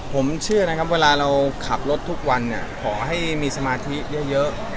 ผมเชื่อนะครับเวลาเราขับรถทุกวันเนี่ยขอให้มีสมาธิเยอะ